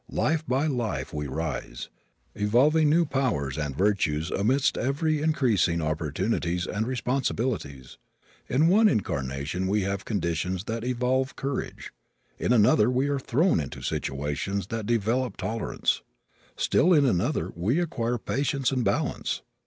Life by life we rise, evolving new powers and virtues amidst every increasing opportunities and responsibilities. In one incarnation we have conditions that evolve courage. In another we are thrown into situations that develop tolerance. In still another we acquire patience and balance.